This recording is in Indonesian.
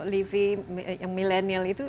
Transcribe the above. livi yang milenial itu